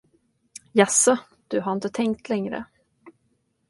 Jaså, du har inte tänkt längre.